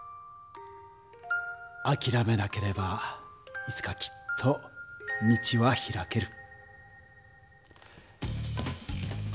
あきらめなければいつかきっと道は開ける。